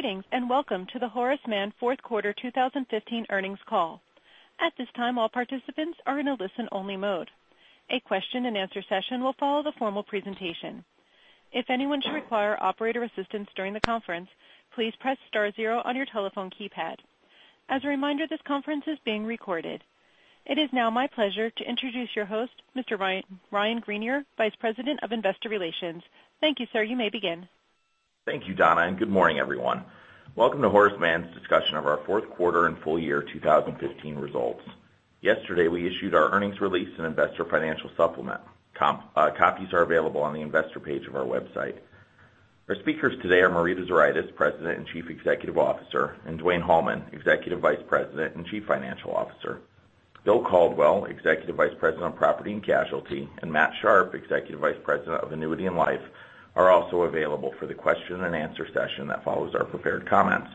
Greetings, and welcome to the Horace Mann fourth quarter 2015 earnings call. At this time, all participants are in a listen-only mode. A question and answer session will follow the formal presentation. If anyone should require operator assistance during the conference, please press star zero on your telephone keypad. As a reminder, this conference is being recorded. It is now my pleasure to introduce your host, Mr. Ryan Greenier, Vice President of Investor Relations. Thank you, sir. You may begin. Thank you, Donna, good morning, everyone. Welcome to Horace Mann's discussion of our fourth quarter and full year 2015 results. Yesterday, we issued our earnings release and investor financial supplement. Copies are available on the investor page of our website. Our speakers today are Marita Zuraitis, President and Chief Executive Officer, Dwayne Hallman, Executive Vice President and Chief Financial Officer. Bill Caldwell, Executive Vice President of Property and Casualty, and Matt Sharpe, Executive Vice President of Annuity and Life, are also available for the question and answer session that follows our prepared comments.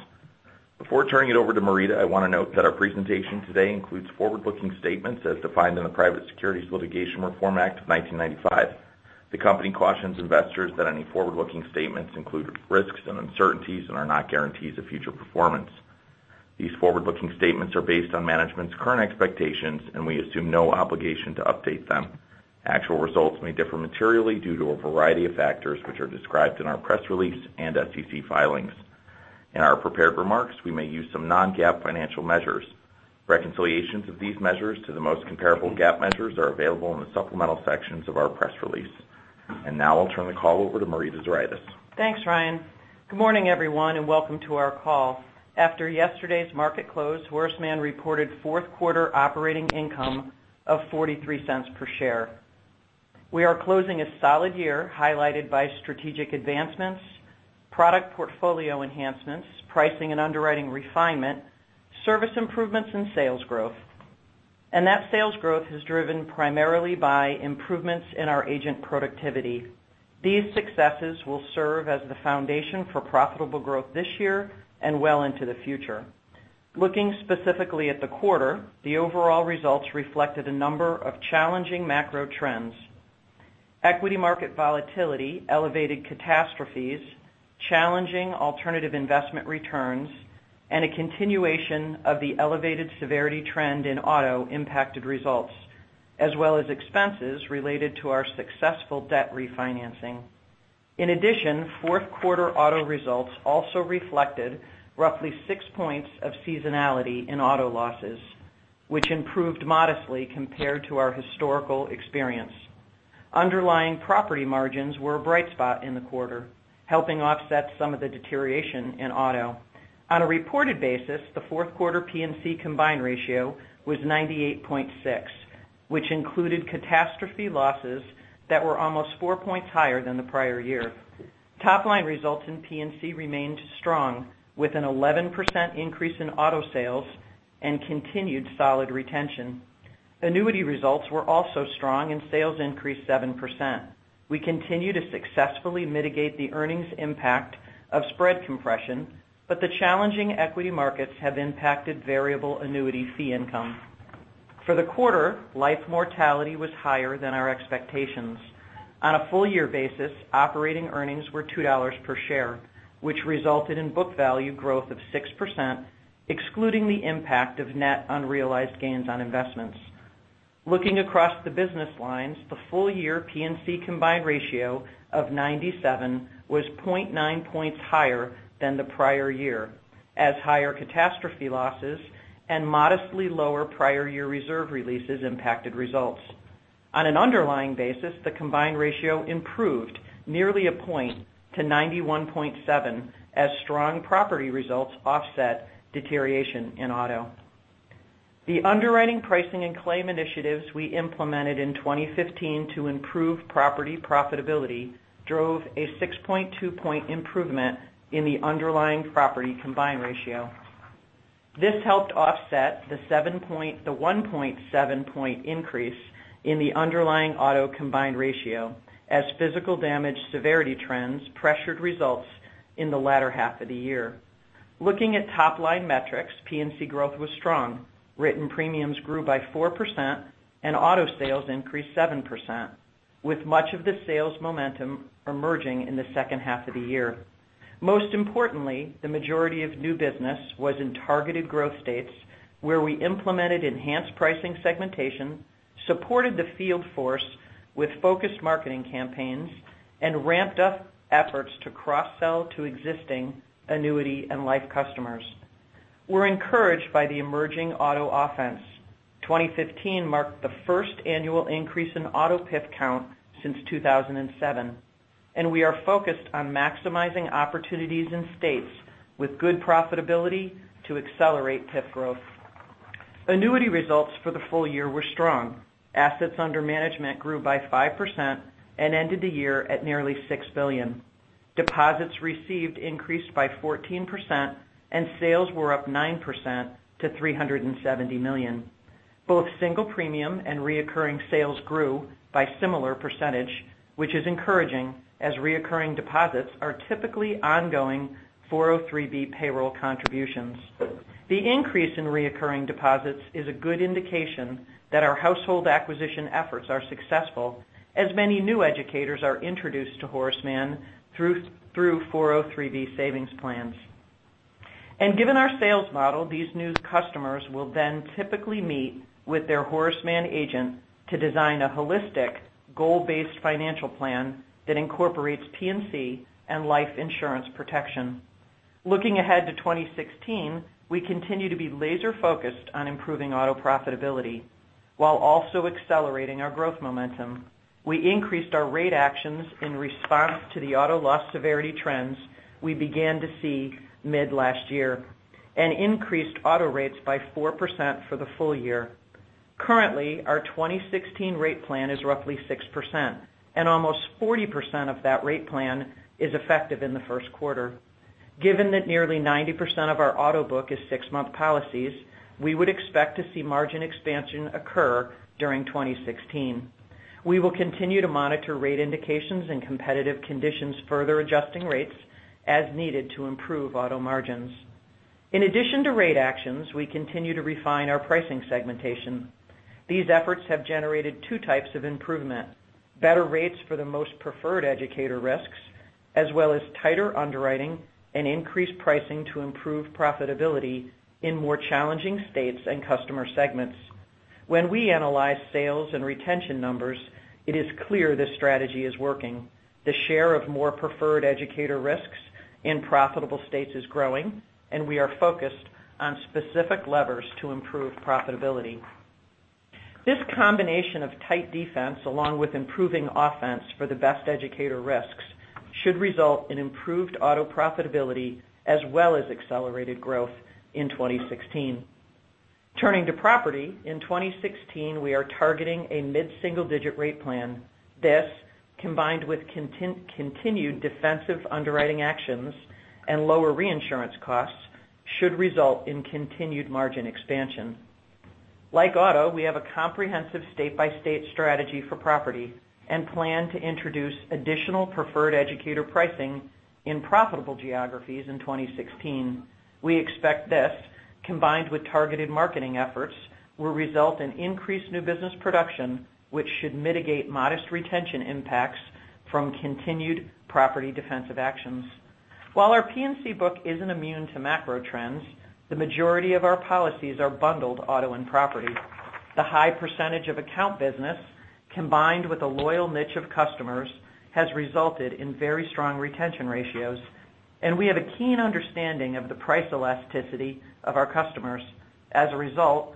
Before turning it over to Marita, I want to note that our presentation today includes forward-looking statements as defined in the Private Securities Litigation Reform Act of 1995. The company cautions investors that any forward-looking statements include risks and uncertainties and are not guarantees of future performance. These forward-looking statements are based on management's current expectations, we assume no obligation to update them. Actual results may differ materially due to a variety of factors, which are described in our press release and SEC filings. In our prepared remarks, we may use some non-GAAP financial measures. Reconciliations of these measures to the most comparable GAAP measures are available in the supplemental sections of our press release. Now I'll turn the call over to Marita Zuraitis. Thanks, Ryan. Good morning, everyone, and welcome to our call. After yesterday's market close, Horace Mann reported fourth quarter operating income of $0.43 per share. We are closing a solid year highlighted by strategic advancements, product portfolio enhancements, pricing and underwriting refinement, service improvements, sales growth. That sales growth is driven primarily by improvements in our agent productivity. These successes will serve as the foundation for profitable growth this year and well into the future. Looking specifically at the quarter, the overall results reflected a number of challenging macro trends. Equity market volatility, elevated catastrophes, challenging alternative investment returns, a continuation of the elevated severity trend in auto impacted results, as well as expenses related to our successful debt refinancing. In addition, fourth quarter auto results also reflected roughly 6 points of seasonality in auto losses, which improved modestly compared to our historical experience. Underlying property margins were a bright spot in the quarter, helping offset some of the deterioration in auto. On a reported basis, the fourth quarter P&C combined ratio was 98.6, which included catastrophe losses that were almost 4 points higher than the prior year. Top-line results in P&C remained strong with an 11% increase in auto sales and continued solid retention. Annuity results were also strong and sales increased 7%. We continue to successfully mitigate the earnings impact of spread compression. The challenging equity markets have impacted variable annuity fee income. For the quarter, life mortality was higher than our expectations. On a full-year basis, operating earnings were $2 per share, which resulted in book value growth of 6%, excluding the impact of net unrealized gains on investments. Looking across the business lines, the full-year P&C combined ratio of 97 was 0.9 points higher than the prior year, as higher catastrophe losses and modestly lower prior year reserve releases impacted results. On an underlying basis, the combined ratio improved nearly a point to 91.7 as strong property results offset deterioration in auto. The underwriting pricing and claim initiatives we implemented in 2015 to improve property profitability drove a 6.2-point improvement in the underlying property combined ratio. This helped offset the 1.7-point increase in the underlying auto combined ratio as physical damage severity trends pressured results in the latter half of the year. Looking at top-line metrics, P&C growth was strong. Written premiums grew by 4% and auto sales increased 7%, with much of the sales momentum emerging in the second half of the year. Most importantly, the majority of new business was in targeted growth states where we implemented enhanced pricing segmentation, supported the field force with focused marketing campaigns, and ramped up efforts to cross-sell to existing annuity and life customers. We're encouraged by the emerging auto offense. 2015 marked the first annual increase in auto PIF count since 2007. We are focused on maximizing opportunities in states with good profitability to accelerate PIF growth. Annuity results for the full year were strong. Assets under management grew by 5% and ended the year at nearly $6 billion. Deposits received increased by 14% and sales were up 9% to $370 million. Both single premium and reoccurring sales grew by similar percentage, which is encouraging as reoccurring deposits are typically ongoing 403(b) payroll contributions. The increase in reoccurring deposits is a good indication that our household acquisition efforts are successful as many new educators are introduced to Horace Mann through 403(b) savings plans. Given our sales model, these new customers will then typically meet with their Horace Mann agent to design a holistic, goal-based financial plan that incorporates P&C and life insurance protection. Looking ahead to 2016, we continue to be laser-focused on improving auto profitability while also accelerating our growth momentum. We increased our rate actions in response to the auto loss severity trends we began to see mid last year. Increased auto rates by 4% for the full year. Currently, our 2016 rate plan is roughly 6%. Almost 40% of that rate plan is effective in the first quarter. Given that nearly 90% of our auto book is six-month policies, we would expect to see margin expansion occur during 2016. We will continue to monitor rate indications and competitive conditions, further adjusting rates as needed to improve auto margins. In addition to rate actions, we continue to refine our pricing segmentation. These efforts have generated 2 types of improvement, better rates for the most preferred educator risks, as well as tighter underwriting and increased pricing to improve profitability in more challenging states and customer segments. When we analyze sales and retention numbers, it is clear this strategy is working. The share of more preferred educator risks in profitable states is growing, and we are focused on specific levers to improve profitability. This combination of tight defense, along with improving offense for the best educator risks, should result in improved auto profitability as well as accelerated growth in 2016. Turning to property, in 2016, we are targeting a mid-single-digit rate plan. This, combined with continued defensive underwriting actions and lower reinsurance costs, should result in continued margin expansion. Like auto, we have a comprehensive state-by-state strategy for property and plan to introduce additional preferred educator pricing in profitable geographies in 2016. We expect this, combined with targeted marketing efforts, will result in increased new business production, which should mitigate modest retention impacts from continued property defensive actions. While our P&C book isn't immune to macro trends, the majority of our policies are bundled auto and property. The high percentage of account business, combined with a loyal niche of customers, has resulted in very strong retention ratios, and we have a keen understanding of the price elasticity of our customers. As a result,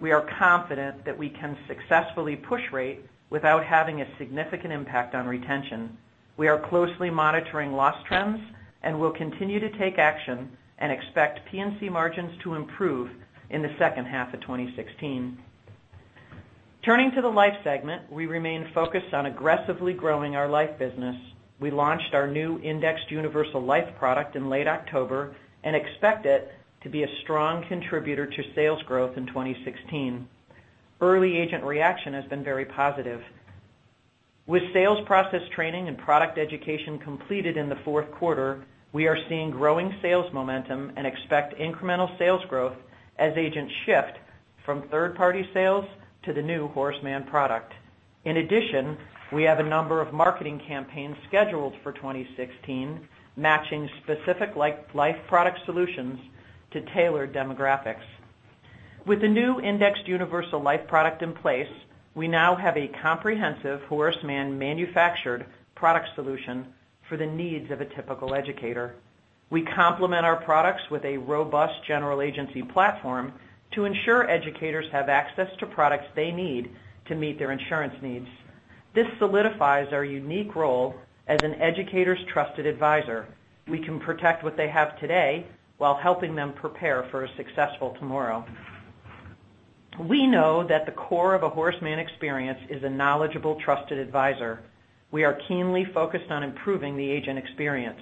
we are confident that we can successfully push rate without having a significant impact on retention. We are closely monitoring loss trends and will continue to take action and expect P&C margins to improve in the second half of 2016. Turning to the life segment, we remain focused on aggressively growing our life business. We launched our new Indexed Universal Life product in late October and expect it to be a strong contributor to sales growth in 2016. Early agent reaction has been very positive. With sales process training and product education completed in the fourth quarter, we are seeing growing sales momentum and expect incremental sales growth as agents shift from third-party sales to the new Horace Mann product. In addition, we have a number of marketing campaigns scheduled for 2016, matching specific life product solutions to tailored demographics. With the new Indexed Universal Life product in place, we now have a comprehensive Horace Mann manufactured product solution for the needs of a typical educator. We complement our products with a robust general agency platform to ensure educators have access to products they need to meet their insurance needs. This solidifies our unique role as an educator's trusted advisor. We can protect what they have today while helping them prepare for a successful tomorrow. We know that the core of a Horace Mann experience is a knowledgeable, trusted advisor. We are keenly focused on improving the agent experience.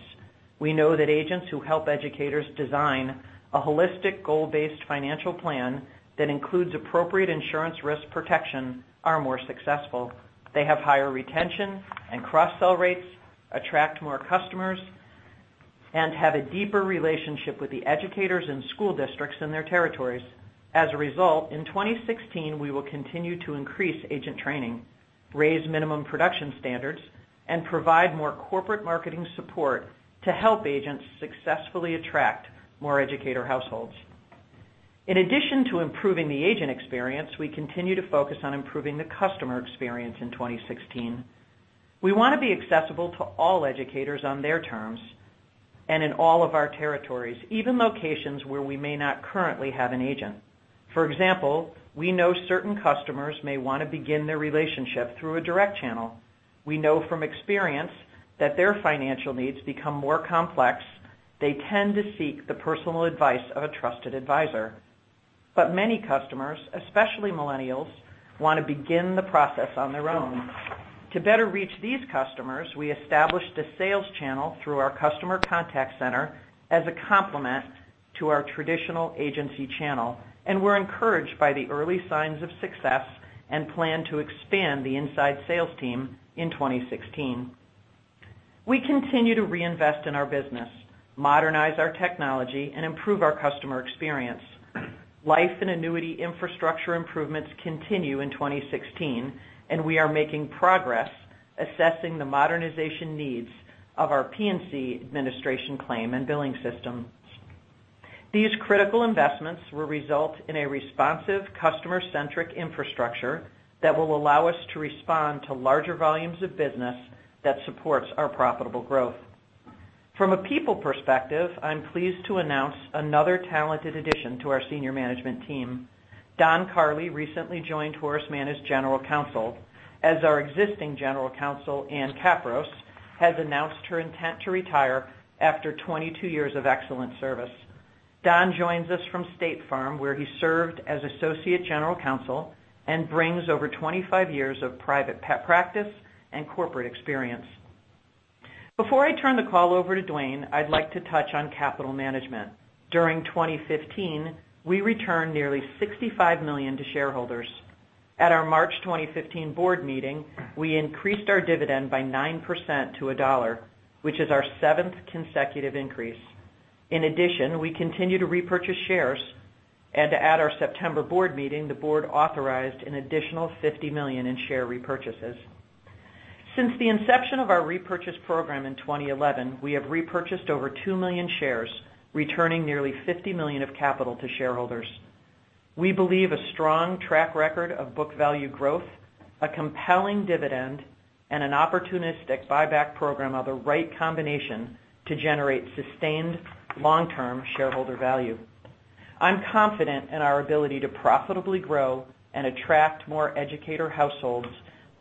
We know that agents who help educators design a holistic, goal-based financial plan that includes appropriate insurance risk protection are more successful. They have higher retention and cross-sell rates, attract more customers, and have a deeper relationship with the educators and school districts in their territories. As a result, in 2016, we will continue to increase agent training, raise minimum production standards, and provide more corporate marketing support to help agents successfully attract more educator households. In addition to improving the agent experience, we continue to focus on improving the customer experience in 2016. We want to be accessible to all educators on their terms and in all of our territories, even locations where we may not currently have an agent. For example, we know certain customers may want to begin their relationship through a direct channel. We know from experience that their financial needs become more complex. They tend to seek the personal advice of a trusted advisor. Many customers, especially millennials, want to begin the process on their own. To better reach these customers, we established a sales channel through our customer contact center as a complement to our traditional agency channel. We're encouraged by the early signs of success and plan to expand the inside sales team in 2016. We continue to reinvest in our business, modernize our technology, and improve our customer experience. Life and annuity infrastructure improvements continue in 2016. We are making progress Assessing the modernization needs of our P&C administration claim and billing systems. These critical investments will result in a responsive, customer-centric infrastructure that will allow us to respond to larger volumes of business that supports our profitable growth. From a people perspective, I'm pleased to announce another talented addition to our senior management team. Don Carley recently joined Horace Mann as General Counsel, as our existing General Counsel, Ann Kapraun, has announced her intent to retire after 22 years of excellent service. Don joins us from State Farm, where he served as Associate General Counsel and brings over 25 years of private practice and corporate experience. Before I turn the call over to Dwayne, I'd like to touch on capital management. During 2015, we returned nearly $65 million to shareholders. At our March 2015 board meeting, we increased our dividend by 9% to $1, which is our seventh consecutive increase. In addition, we continue to repurchase shares. At our September board meeting, the board authorized an additional $50 million in share repurchases. Since the inception of our repurchase program in 2011, we have repurchased over 2 million shares, returning nearly $50 million of capital to shareholders. We believe a strong track record of book value growth, a compelling dividend, and an opportunistic buyback program are the right combination to generate sustained long-term shareholder value. I'm confident in our ability to profitably grow and attract more educator households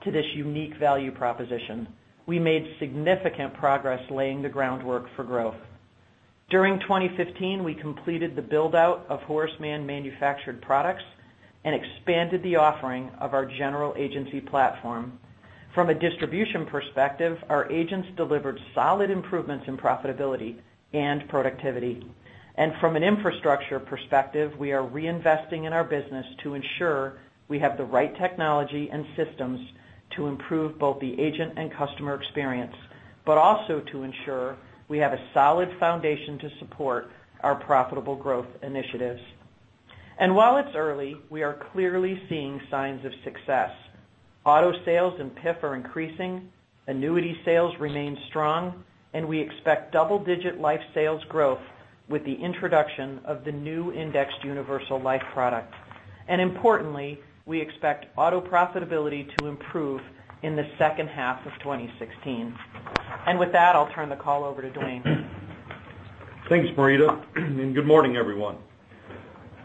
to this unique value proposition. We made significant progress laying the groundwork for growth. During 2015, we completed the build-out of Horace Mann manufactured products and expanded the offering of our general agency platform. From a distribution perspective, our agents delivered solid improvements in profitability and productivity. From an infrastructure perspective, we are reinvesting in our business to ensure we have the right technology and systems to improve both the agent and customer experience, but also to ensure we have a solid foundation to support our profitable growth initiatives. While it's early, we are clearly seeing signs of success. Auto sales and PIF are increasing, annuity sales remain strong, and we expect double-digit life sales growth with the introduction of the new Indexed Universal Life product. Importantly, we expect auto profitability to improve in the second half of 2016. With that, I'll turn the call over to Dwayne. Thanks, Marita. Good morning, everyone.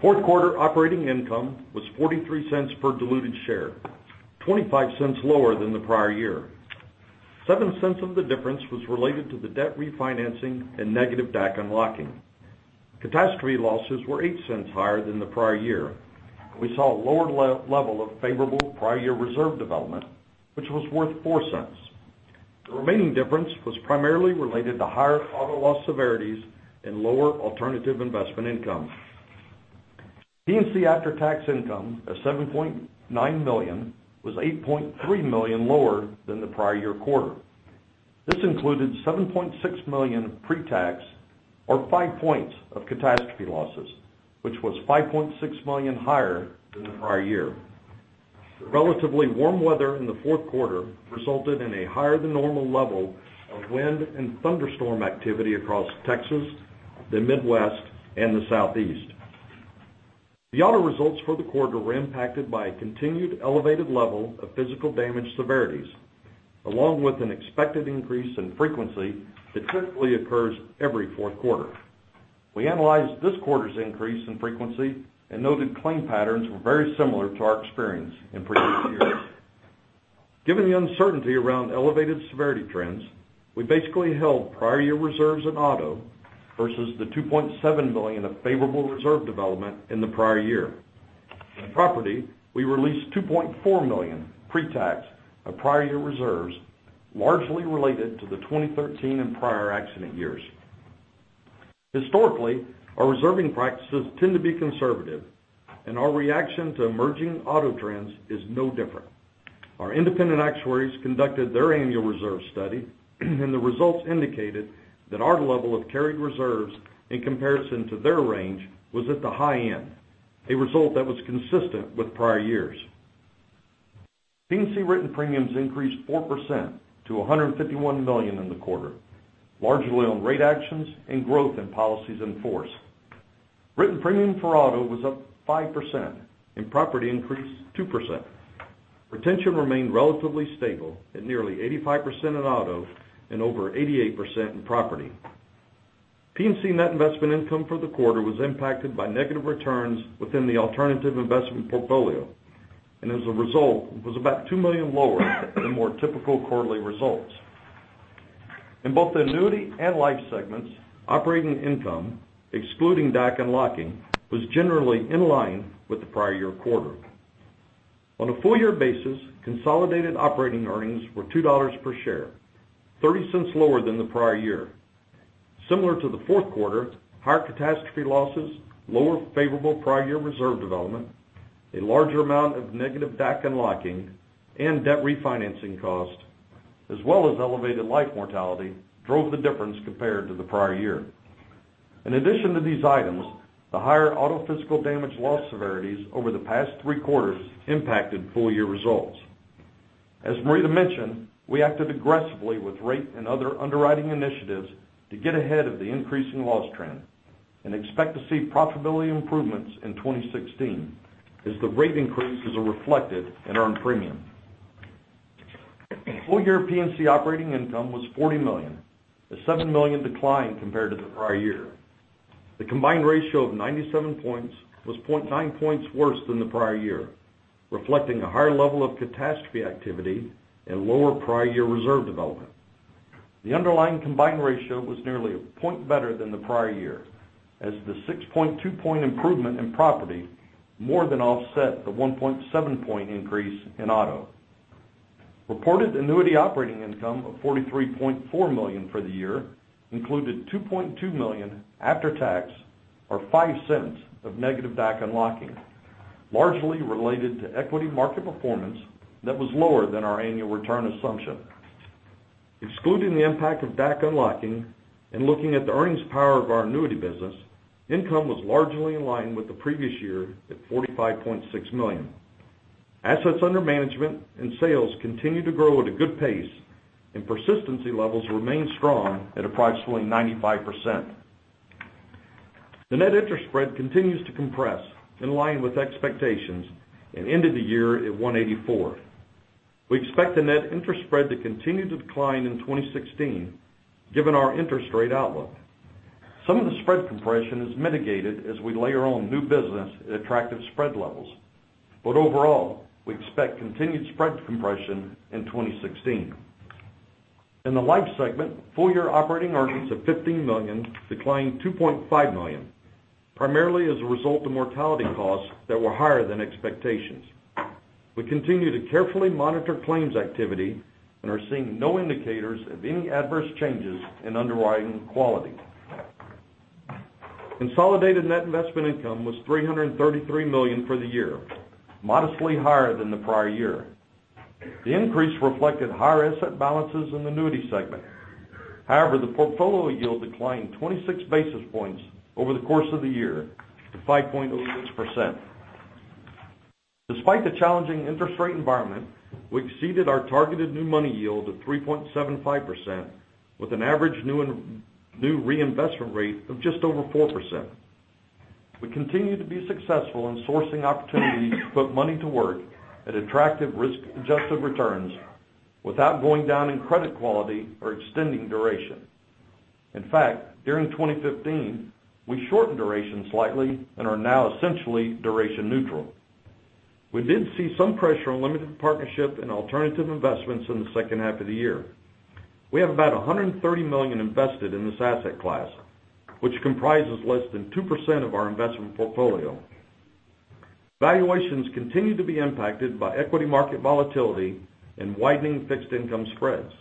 Fourth quarter operating income was $0.43 per diluted share, $0.25 lower than the prior year. $0.07 of the difference was related to the debt refinancing and negative DAC unlocking. Catastrophe losses were $0.08 higher than the prior year. We saw a lower level of favorable prior year reserve development, which was worth $0.04. The remaining difference was primarily related to higher auto loss severities and lower alternative investment income. P&C after-tax income of $7.9 million was $8.3 million lower than the prior year quarter. This included $7.6 million pre-tax, or five points of catastrophe losses, which was $5.6 million higher than the prior year. Relatively warm weather in the fourth quarter resulted in a higher-than-normal level of wind and thunderstorm activity across Texas, the Midwest, and the Southeast. The auto results for the quarter were impacted by a continued elevated level of physical damage severities, along with an expected increase in frequency that typically occurs every fourth quarter. We analyzed this quarter's increase in frequency and noted claim patterns were very similar to our experience in previous years. Given the uncertainty around elevated severity trends, we basically held prior year reserves in auto versus the $2.7 million of favorable reserve development in the prior year. In property, we released $2.4 million pre-tax of prior year reserves, largely related to the 2013 and prior accident years. Historically, our reserving practices tend to be conservative, and our reaction to emerging auto trends is no different. Our independent actuaries conducted their annual reserve study, and the results indicated that our level of carried reserves in comparison to their range was at the high end, a result that was consistent with prior years. P&C written premiums increased 4% to $151 million in the quarter, largely on rate actions and growth in policies in force. Written premium for auto was up 5%, and property increased 2%. Retention remained relatively stable at nearly 85% in auto and over 88% in property. P&C net investment income for the quarter was impacted by negative returns within the alternative investment portfolio. As a result, was about $2 million lower than more typical quarterly results. In both the annuity and life segments, operating income, excluding DAC unlocking, was generally in line with the prior year quarter. On a full year basis, consolidated operating earnings were $2 per share, $0.30 lower than the prior year. Similar to the fourth quarter, higher catastrophe losses, lower favorable prior year reserve development, a larger amount of negative DAC unlocking and debt refinancing cost, as well as elevated life mortality, drove the difference compared to the prior year. In addition to these items, the higher auto physical damage loss severities over the past three quarters impacted full-year results. As Marita mentioned, we acted aggressively with rate and other underwriting initiatives to get ahead of the increasing loss trend and expect to see profitability improvements in 2016 as the rate increases are reflected in earned premium. Full year P&C operating income was $40 million, a $7 million decline compared to the prior year. The combined ratio of 97 points was 0.9 points worse than the prior year, reflecting a higher level of catastrophe activity and lower prior year reserve development. The underlying combined ratio was nearly a point better than the prior year, as the 6.2 point improvement in property more than offset the 1.7 point increase in auto. Reported annuity operating income of $43.4 million for the year included $2.2 million after tax, or $0.05 of negative DAC unlocking, largely related to equity market performance that was lower than our annual return assumption. Excluding the impact of DAC unlocking and looking at the earnings power of our annuity business, income was largely in line with the previous year at $45.6 million. Assets under management and sales continue to grow at a good pace, and persistency levels remain strong at approximately 95%. The net interest spread continues to compress in line with expectations and ended the year at 184. We expect the net interest spread to continue to decline in 2016, given our interest rate outlook. Some of the spread compression is mitigated as we layer on new business at attractive spread levels. Overall, we expect continued spread compression in 2016. In the life segment, full year operating earnings of $15 million declined $2.5 million, primarily as a result of mortality costs that were higher than expectations. We continue to carefully monitor claims activity and are seeing no indicators of any adverse changes in underwriting quality. Consolidated net investment income was $333 million for the year, modestly higher than the prior year. The increase reflected higher asset balances in the annuity segment. However, the portfolio yield declined 26 basis points over the course of the year to 5.06%. Despite the challenging interest rate environment, we exceeded our targeted new money yield of 3.75%, with an average new reinvestment rate of just over 4%. We continue to be successful in sourcing opportunities to put money to work at attractive risk-adjusted returns without going down in credit quality or extending duration. In fact, during 2015, we shortened duration slightly and are now essentially duration neutral. We did see some pressure on limited partnership in alternative investments in the second half of the year. We have about $130 million invested in this asset class, which comprises less than 2% of our investment portfolio. Valuations continue to be impacted by equity market volatility and widening fixed income spreads.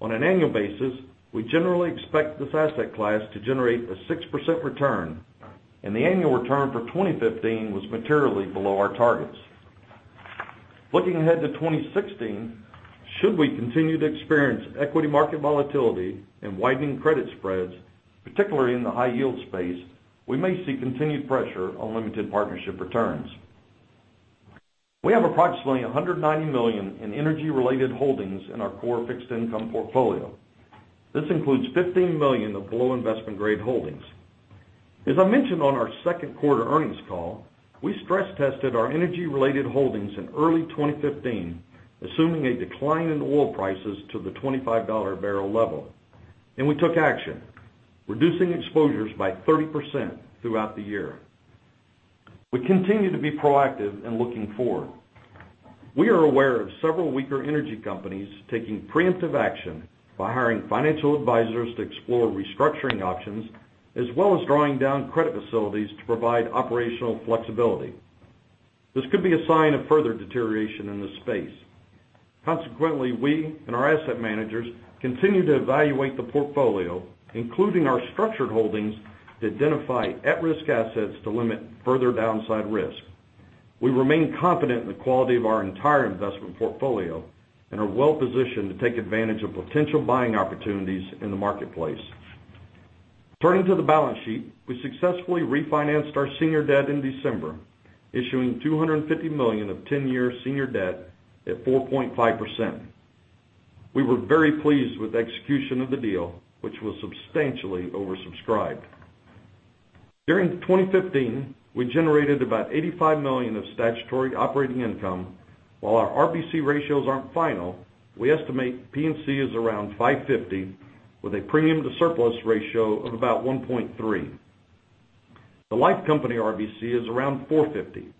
On an annual basis, we generally expect this asset class to generate a 6% return, and the annual return for 2015 was materially below our targets. Looking ahead to 2016, should we continue to experience equity market volatility and widening credit spreads, particularly in the high yield space, we may see continued pressure on limited partnership returns. We have approximately $190 million in energy-related holdings in our core fixed income portfolio. This includes $15 million of below investment grade holdings. As I mentioned on our second quarter earnings call, we stress tested our energy-related holdings in early 2015, assuming a decline in oil prices to the $25 a barrel level, and we took action, reducing exposures by 30% throughout the year. We continue to be proactive and looking forward. We are aware of several weaker energy companies taking preemptive action by hiring financial advisors to explore restructuring options, as well as drawing down credit facilities to provide operational flexibility. This could be a sign of further deterioration in this space. Consequently, we and our asset managers continue to evaluate the portfolio, including our structured holdings, to identify at-risk assets to limit further downside risk. We remain confident in the quality of our entire investment portfolio and are well-positioned to take advantage of potential buying opportunities in the marketplace. Turning to the balance sheet, we successfully refinanced our senior debt in December, issuing $250 million of 10-year senior debt at 4.5%. We were very pleased with the execution of the deal, which was substantially oversubscribed. During 2015, we generated about $85 million of statutory operating income. While our RBC ratios aren't final, we estimate P&C is around 550 with a premium to surplus ratio of about 1.3. The life company RBC is around 450.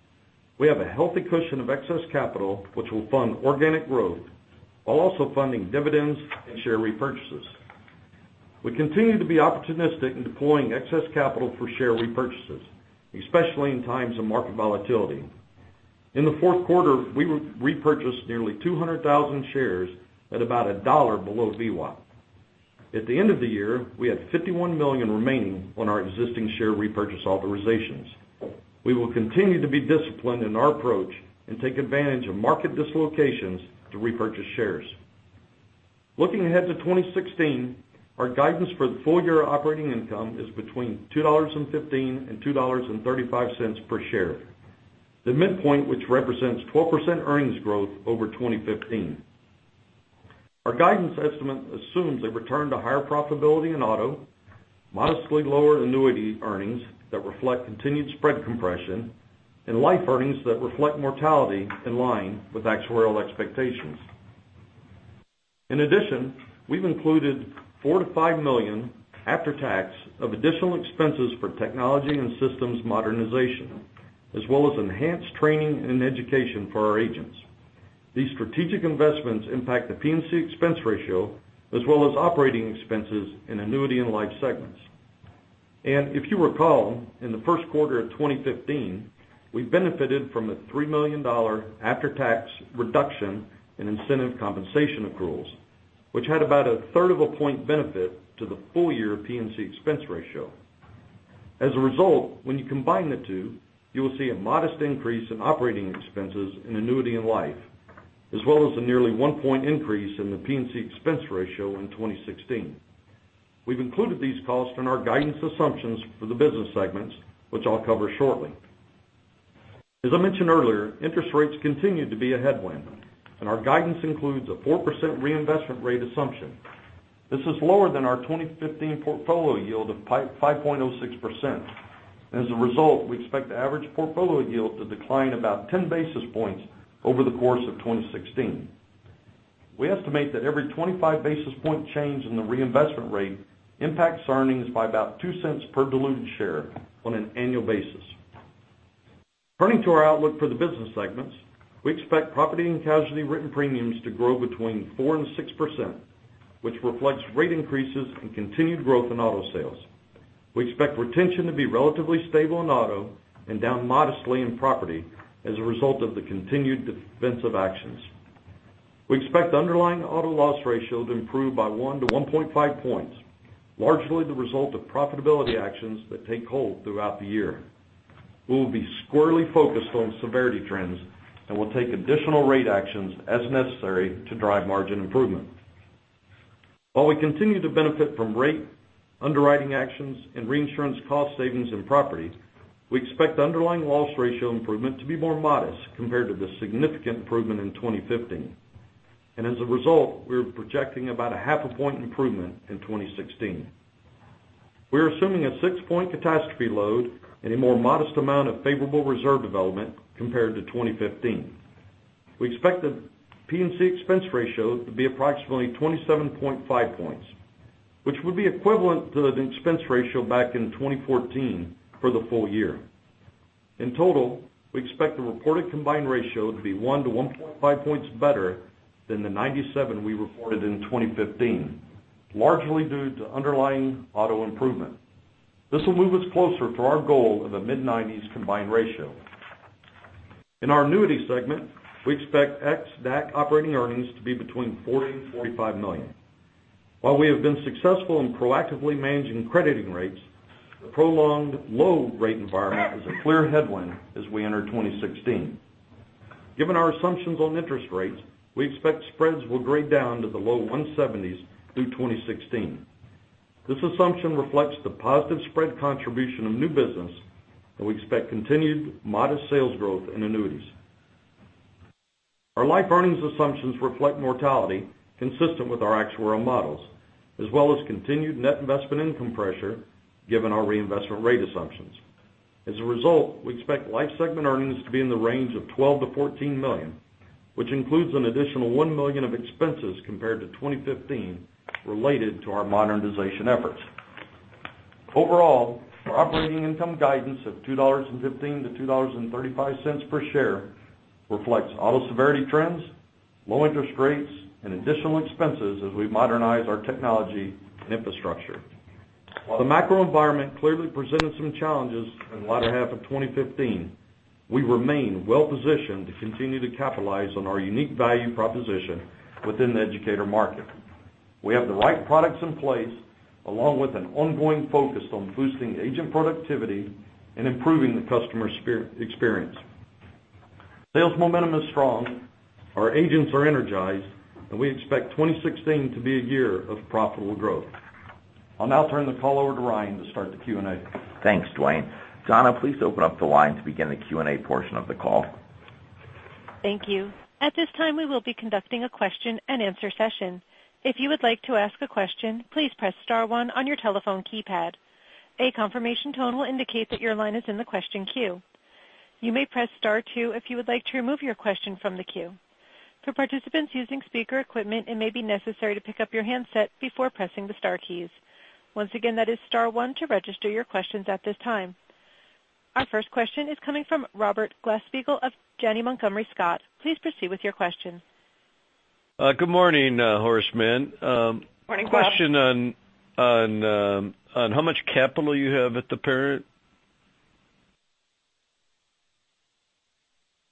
We have a healthy cushion of excess capital, which will fund organic growth while also funding dividends and share repurchases. We continue to be opportunistic in deploying excess capital for share repurchases, especially in times of market volatility. In the fourth quarter, we repurchased nearly 200,000 shares at about $1 below VWAP. At the end of the year, we had $51 million remaining on our existing share repurchase authorizations. We will continue to be disciplined in our approach and take advantage of market dislocations to repurchase shares. Looking ahead to 2016, our guidance for the full year operating income is between $2.15 and $2.35 per share. The midpoint, which represents 12% earnings growth over 2015. Our guidance estimate assumes a return to higher profitability in auto, modestly lower annuity earnings that reflect continued spread compression, and life earnings that reflect mortality in line with actuarial expectations. In addition, we've included $4 million to $5 million after tax of additional expenses for technology and systems modernization, as well as enhanced training and education for our agents. These strategic investments impact the P&C expense ratio as well as operating expenses in annuity and life segments. If you recall, in the first quarter of 2015, we benefited from a $3 million after-tax reduction in incentive compensation accruals, which had about a third of a point benefit to the full year P&C expense ratio. As a result, when you combine the two, you will see a modest increase in operating expenses in annuity and life, as well as a nearly one point increase in the P&C expense ratio in 2016. We've included these costs in our guidance assumptions for the business segments, which I'll cover shortly. As I mentioned earlier, interest rates continue to be a headwind. Our guidance includes a 4% reinvestment rate assumption. This is lower than our 2015 portfolio yield of 5.06%. As a result, we expect the average portfolio yield to decline about 10 basis points over the course of 2016. We estimate that every 25 basis point change in the reinvestment rate impacts earnings by about $0.02 per diluted share on an annual basis. Turning to our outlook for the business segments, we expect Property and Casualty written premiums to grow between 4% and 6%, which reflects rate increases and continued growth in auto sales. We expect retention to be relatively stable in auto and down modestly in property as a result of the continued defensive actions. We expect underlying auto loss ratio to improve by 1 to 1.5 points, largely the result of profitability actions that take hold throughout the year. We will be squarely focused on severity trends and will take additional rate actions as necessary to drive margin improvement. While we continue to benefit from rate underwriting actions and reinsurance cost savings in property, we expect underlying loss ratio improvement to be more modest compared to the significant improvement in 2015. As a result, we're projecting about a half a point improvement in 2016. We're assuming a six-point catastrophe load and a more modest amount of favorable reserve development compared to 2015. We expect the P&C expense ratio to be approximately 27.5 points, which would be equivalent to the expense ratio back in 2014 for the full year. In total, we expect the reported combined ratio to be 1 to 1.5 points better than the 97 we reported in 2015, largely due to underlying auto improvement. This will move us closer to our goal of a mid-90s combined ratio. In our annuity segment, we expect ex-DAC operating earnings to be between $40 and $45 million. While we have been successful in proactively managing crediting rates, the prolonged low rate environment is a clear headwind as we enter 2016. Given our assumptions on interest rates, we expect spreads will grade down to the low 170s through 2016. This assumption reflects the positive spread contribution of new business, and we expect continued modest sales growth in annuities. Our life earnings assumptions reflect mortality consistent with our actuarial models, as well as continued net investment income pressure given our reinvestment rate assumptions. As a result, we expect life segment earnings to be in the range of $12 million-$14 million, which includes an additional $1 million of expenses compared to 2015 related to our modernization efforts. Overall, our operating income guidance of $2.15 to $2.35 per share reflects auto severity trends, low interest rates, and additional expenses as we modernize our technology and infrastructure. While the macro environment clearly presented some challenges in the latter half of 2015, we remain well-positioned to continue to capitalize on our unique value proposition within the educator market. We have the right products in place, along with an ongoing focus on boosting agent productivity and improving the customer experience. Sales momentum is strong, our agents are energized, and we expect 2016 to be a year of profitable growth. I'll now turn the call over to Ryan to start the Q&A. Thanks, Dwayne. Donna, please open up the line to begin the Q&A portion of the call. Thank you. At this time, we will be conducting a question and answer session. If you would like to ask a question, please press *1 on your telephone keypad. A confirmation tone will indicate that your line is in the question queue. You may press *2 if you would like to remove your question from the queue. For participants using speaker equipment, it may be necessary to pick up your handset before pressing the star keys. Once again, that is *1 to register your questions at this time. Our first question is coming from Robert Glasspiegel of Janney Montgomery Scott. Please proceed with your question. Good morning. Horace Mann. Morning, Bob. Question on how much capital you have at the parent.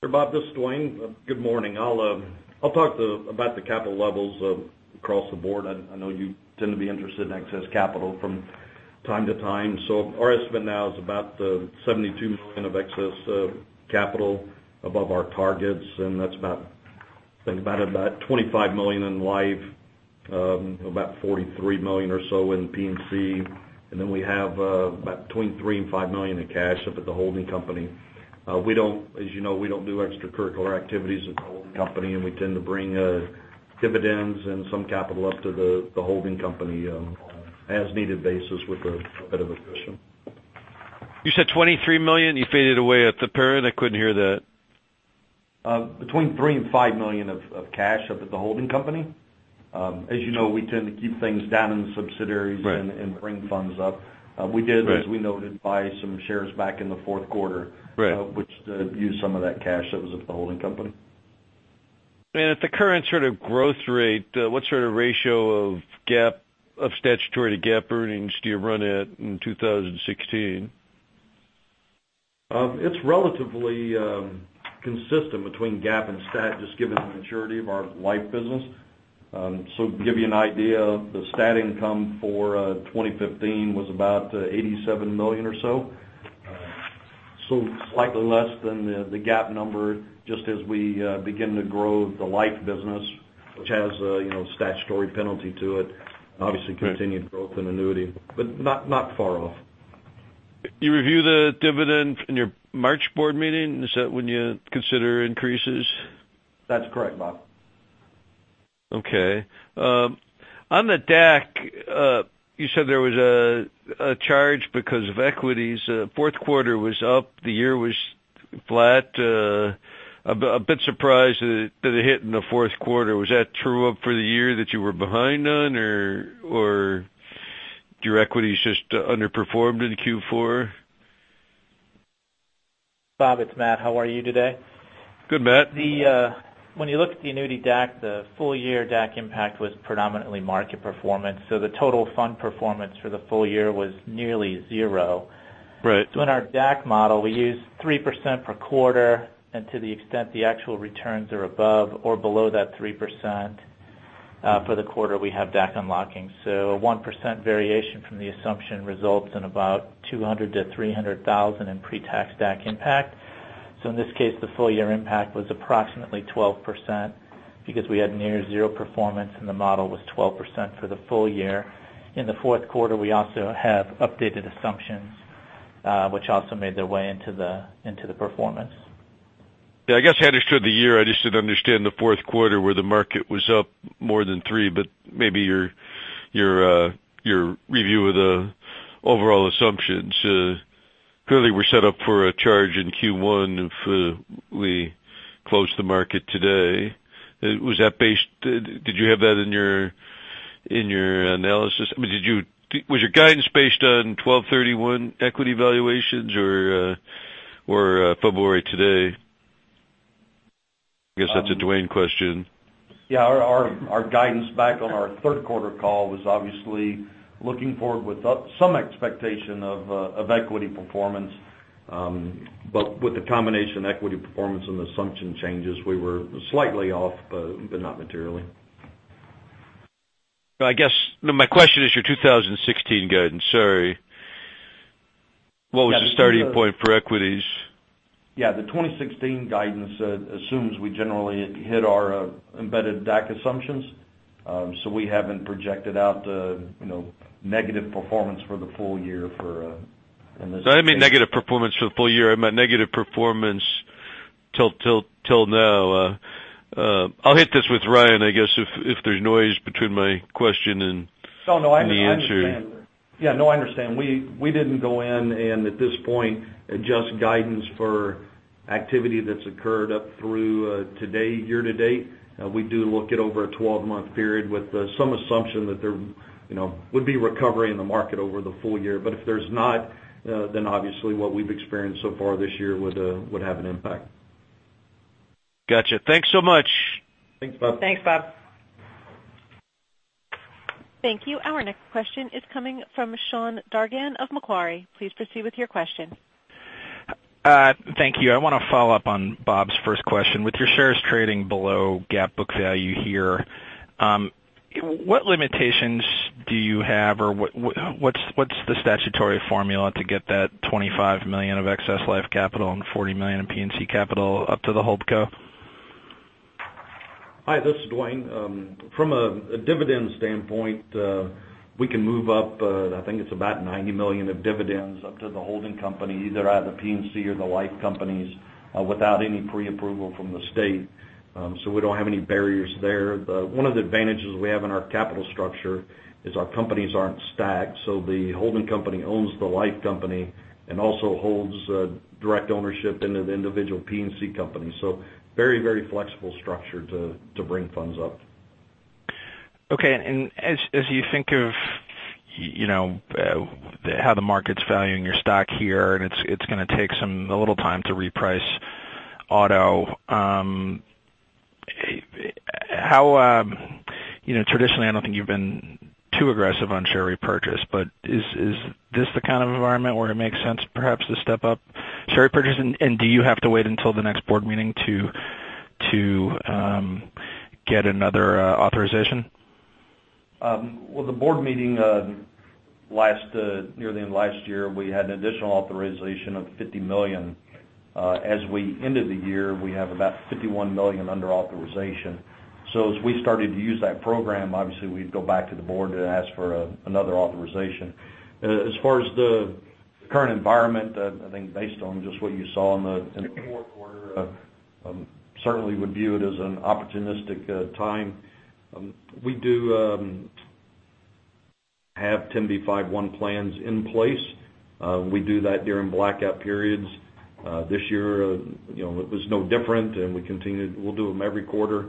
Bob, this is Dwayne. Good morning. I'll talk about the capital levels across the board. I know you tend to be interested in excess capital from time to time. Our estimate now is about $72 million of excess capital above our targets, and that's about $25 million in life, about $43 million or so in P&C, and then we have about between $3 million and $5 million in cash up at the holding company. As you know, we don't do extracurricular activities at the holding company, and we tend to bring dividends and some capital up to the holding company on an as-needed basis with a bit of cushion. You said $23 million? You faded away at the period. I couldn't hear that. Between $3 million and $5 million of cash up at the holding company. As you know, we tend to keep things down in the subsidiaries. Right bring funds up. We did, as we noted, buy some shares back in the fourth quarter. Right which used some of that cash that was at the holding company. At the current sort of growth rate, what sort of ratio of statutory to GAAP earnings do you run at in 2016? It's relatively consistent between GAAP and stat, just given the maturity of our life business. To give you an idea, the stat income for 2015 was about $87 million or so. Slightly less than the GAAP number, just as we begin to grow the life business, which has a statutory penalty to it, and obviously continued growth in annuity. Not far off. You review the dividend in your March board meeting? Is that when you consider increases? That's correct, Bob. Okay. On the DAC, you said there was a charge because of equities. Fourth quarter was up, the year was flat. A bit surprised that it hit in the fourth quarter. Was that true up for the year that you were behind on, or your equities just underperformed in Q4? Bob, it's Matt. How are you today? Good, Matthew. When you look at the annuity DAC, the full-year DAC impact was predominantly market performance. The total fund performance for the full year was nearly zero. Right. In our DAC model, we use 3% per quarter, and to the extent the actual returns are above or below that 3% for the quarter, we have DAC unlocking. A 1% variation from the assumption results in about $200,000-$300,000 in pre-tax DAC impact. In this case, the full-year impact was approximately 12% because we had near zero performance, and the model was 12% for the full year. In the fourth quarter, we also have updated assumptions, which also made their way into the performance. Yeah, I guess I understood the year. I just didn't understand the fourth quarter where the market was up more than three, but maybe your review of the overall assumptions. Clearly we're set up for a charge in Q1 if we close the market today. Did you have that in your analysis? Was your guidance based on 12/31 equity valuations or February today? I guess that's a Dwayne question. Our guidance back on our third quarter call was obviously looking forward with some expectation of equity performance. With the combination of equity performance and assumption changes, we were slightly off, but not materially. I guess my question is your 2016 guidance. Sorry. What was the starting point for equities? The 2016 guidance assumes we generally hit our embedded DAC assumptions. We haven't projected out the negative performance for the full year. I didn't mean negative performance for the full year. I meant negative performance till now. I'll hit this with Ryan, I guess, if there's noise between my question and the answer. No, I understand. We didn't go in and at this point adjust guidance for activity that's occurred up through today year to date. We do look at over a 12-month period with some assumption that there would be recovery in the market over the full year. If there's not, then obviously what we've experienced so far this year would have an impact. Gotcha. Thanks so much. Thanks, Bob. Thanks, Bob. Thank you. Our next question is coming from Sean Dargan of Macquarie. Please proceed with your question. Thank you. I want to follow up on Bob's first question. With your shares trading below GAAP book value here, what limitations do you have or what's the statutory formula to get that $25 million of excess life capital and $40 million in P&C capital up to the holdco? Hi, this is Dwayne. From a dividend standpoint, we can move up, I think it's about $90 million of dividends up to the holding company, either out of the P&C or the life companies, without any pre-approval from the state. We don't have any barriers there. One of the advantages we have in our capital structure is our companies aren't stacked. The holding company owns the life company and also holds direct ownership into the individual P&C company. Very flexible structure to bring funds up. Okay. As you think of how the market's valuing your stock here, and it's going to take a little time to reprice auto, traditionally I don't think you've been too aggressive on share repurchase, but is this the kind of environment where it makes sense perhaps to step up share repurchase, and do you have to wait until the next board meeting to get another authorization? Well, the board meeting near the end of last year, we had an additional authorization of $50 million. As we ended the year, we have about $51 million under authorization. As we started to use that program, obviously we'd go back to the board to ask for another authorization. As far as the current environment, I think based on just what you saw in the fourth quarter, certainly would view it as an opportunistic time. We do have 10b5-1 plans in place. We do that during blackout periods. This year, it was no different, and we'll do them every quarter.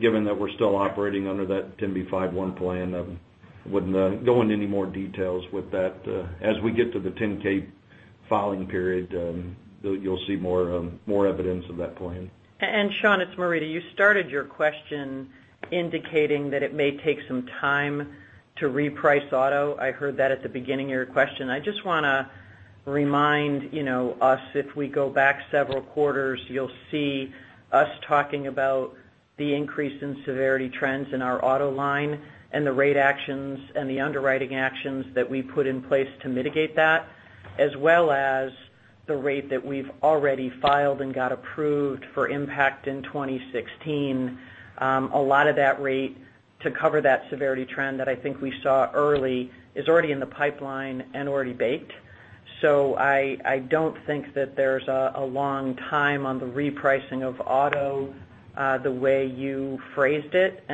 Given that we're still operating under that 10b5-1 plan, I wouldn't go into any more details with that. As we get to the 10-K filing period, you'll see more evidence of that plan. Sean, it's Marita. You started your question indicating that it may take some time to reprice auto. I heard that at the beginning of your question. I just want to remind us, if we go back several quarters, you'll see us talking about the increase in severity trends in our auto line and the rate actions and the underwriting actions that we put in place to mitigate that, as well as the rate that we've already filed and got approved for impact in 2016. A lot of that rate to cover that severity trend that I think we saw early is already in the pipeline and already baked. I don't think that there's a long time on the repricing of auto the way you phrased it.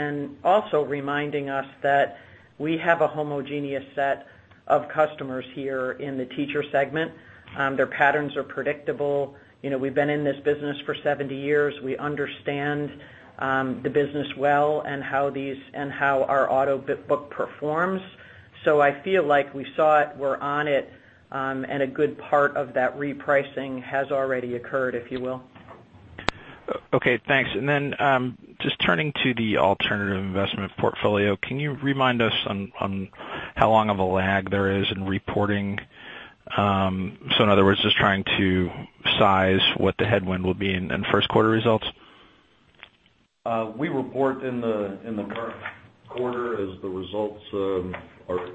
Also reminding us that we have a homogeneous set of customers here in the teacher segment. Their patterns are predictable. We've been in this business for 70 years. We understand the business well and how our auto book performs. I feel like we saw it, we're on it, and a good part of that repricing has already occurred, if you will. Okay, thanks. Then just turning to the alternative investment portfolio, can you remind us on how long of a lag there is in reporting? In other words, just trying to size what the headwind will be in first quarter results. We report in the first quarter as the results are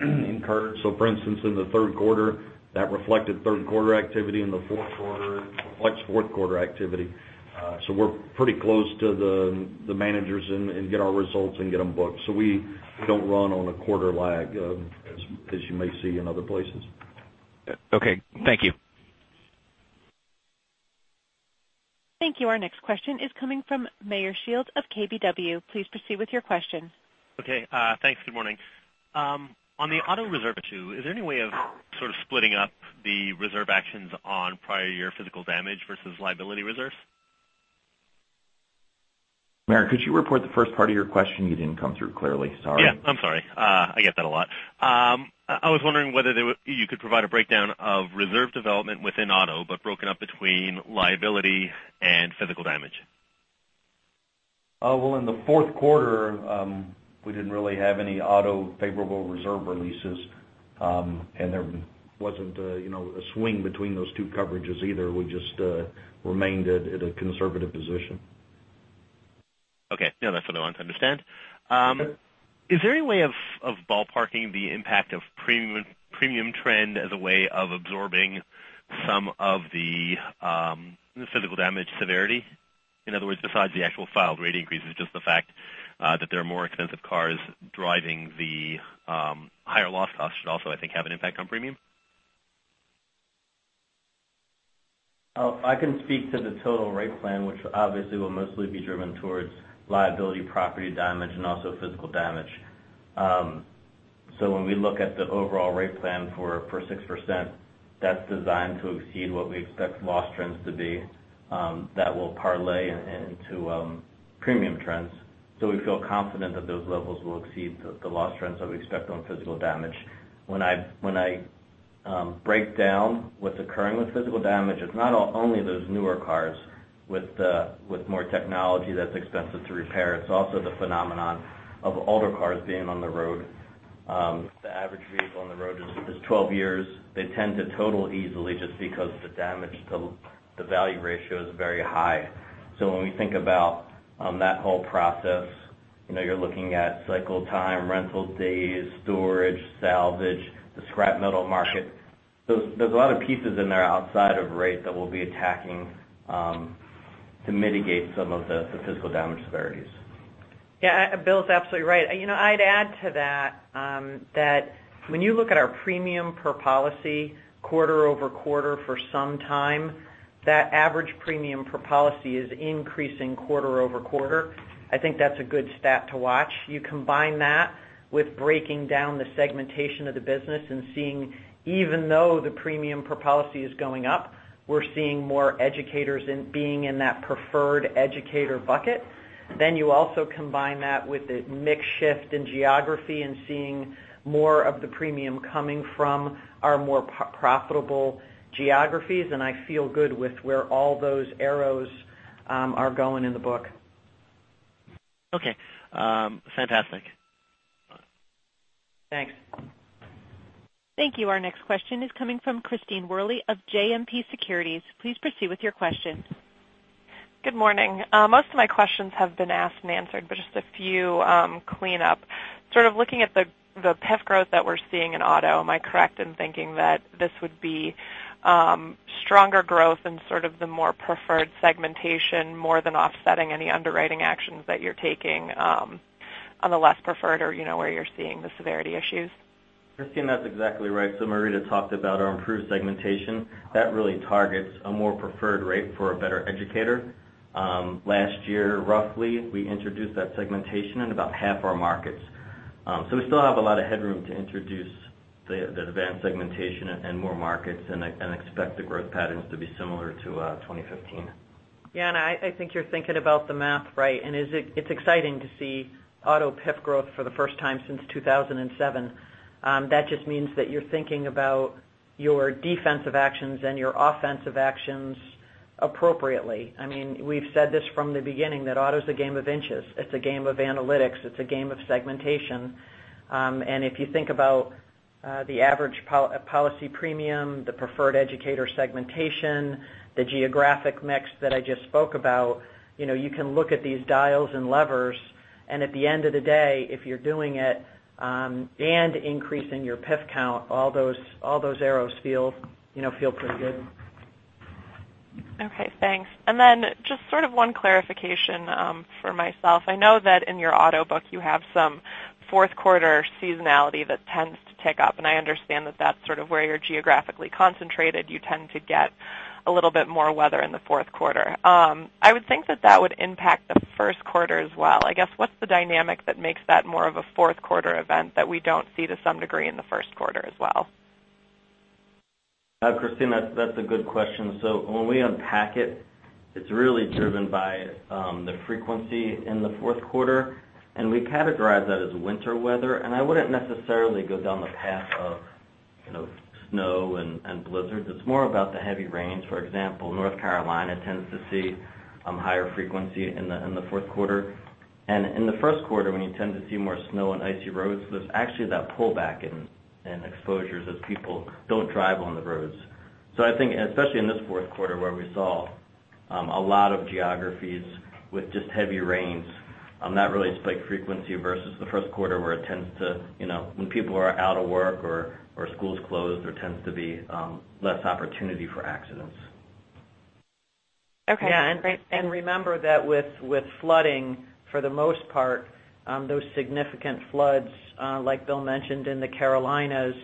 incurred. For instance, in the third quarter, that reflected third quarter activity. In the fourth quarter, reflects fourth quarter activity. We're pretty close to the managers and get our results and get them booked. We don't run on a quarter lag as you may see in other places. Okay. Thank you. Thank you. Our next question is coming from Meyer Shields of KBW. Please proceed with your question. Okay. Thanks. Good morning. On the auto reserve issue, is there any way of sort of splitting up the reserve actions on prior year physical damage versus liability reserves? Meyer, could you repeat the first part of your question? You didn't come through clearly. Sorry. Yeah. I'm sorry. I get that a lot. I was wondering whether you could provide a breakdown of reserve development within auto, but broken up between liability and physical damage. Well, in the fourth quarter, we didn't really have any auto favorable reserve releases, and there wasn't a swing between those two coverages either. We just remained at a conservative position. Okay. No, that's what I wanted to understand. Is there any way of ballparking the impact of premium trend as a way of absorbing some of the physical damage severity? In other words, besides the actual filed rate increases, just the fact that there are more expensive cars driving the higher loss costs should also, I think, have an impact on premium. I can speak to the total rate plan, which obviously will mostly be driven towards liability, property damage, and also physical damage. When we look at the overall rate plan for 6%, that's designed to exceed what we expect loss trends to be. That will parlay into premium trends. We feel confident that those levels will exceed the loss trends that we expect on physical damage. When I break down what's occurring with physical damage, it's not only those newer cars with more technology that's expensive to repair. It's also the phenomenon of older cars being on the road. The average vehicle on the road is 12 years. They tend to total easily just because the damage to the value ratio is very high. When we think about that whole process, you're looking at cycle time, rental days, storage, salvage, the scrap metal market. There's a lot of pieces in there outside of rate that we'll be attacking to mitigate some of the physical damage severities. Bill's absolutely right. I'd add to that when you look at our premium per policy quarter-over-quarter for some time, that average premium per policy is increasing quarter-over-quarter. I think that's a good stat to watch. You combine that with breaking down the segmentation of the business and seeing even though the premium per policy is going up, we're seeing more educators being in that preferred educator bucket. You also combine that with the mix shift in geography and seeing more of the premium coming from our more profitable geographies, I feel good with where all those arrows are going in the book. Fantastic. Thanks. Thank you. Our next question is coming from Christine Worley of JMP Securities. Please proceed with your question. Good morning. Most of my questions have been asked and answered, but just a few cleanup. Sort of looking at the PIF growth that we're seeing in auto, am I correct in thinking that this would be stronger growth in sort of the more preferred segmentation more than offsetting any underwriting actions that you're taking on the less preferred or where you're seeing the severity issues? Christine, that's exactly right. Marita talked about our improved segmentation. That really targets a more preferred rate for a better educator. Last year, roughly, we introduced that segmentation in about half our markets. We still have a lot of headroom to introduce the advanced segmentation in more markets and expect the growth patterns to be similar to 2015. Yeah, I think you're thinking about the math right. It's exciting to see auto PIF growth for the first time since 2007. That just means that you're thinking about your defensive actions and your offensive actions appropriately. We've said this from the beginning, that auto's a game of inches. It's a game of analytics. It's a game of segmentation. If you think about the average policy premium, the preferred educator segmentation, the geographic mix that I just spoke about, you can look at these dials and levers, and at the end of the day, if you're doing it, and increasing your PIF count, all those arrows feel pretty good. Okay, thanks. Just sort of one clarification for myself. I know that in your auto book you have some fourth quarter seasonality that tends to tick up, and I understand that's sort of where you're geographically concentrated. You tend to get a little bit more weather in the fourth quarter. I would think that would impact the first quarter as well. I guess, what's the dynamic that makes that more of a fourth quarter event that we don't see to some degree in the first quarter as well? Christine, that's a good question. When we unpack it's really driven by the frequency in the fourth quarter, and we categorize that as winter weather. I wouldn't necessarily go down the path of snow and blizzards. It's more about the heavy rains. For example, North Carolina tends to see higher frequency in the fourth quarter. In the first quarter, when you tend to see more snow on icy roads, there's actually that pullback in exposures as people don't drive on the roads. I think especially in this fourth quarter where we saw a lot of geographies with just heavy rains, that really is by frequency versus the first quarter when people are out of work or schools closed, there tends to be less opportunity for accidents. Okay. Great. Yeah. Remember that with flooding, for the most part, those significant floods, like Bill mentioned in the Carolinas,